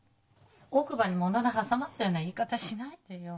奥歯にものの挟まったような言い方しないでよ。